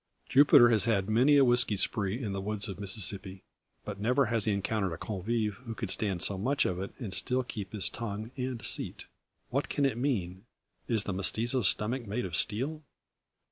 Jupiter has had many a whiskey spree in the woods of Mississippi, but never has he encountered a convive who could stand so much of it, and still keep his tongue and seat. What can it mean? Is the mestizo's stomach made of steel?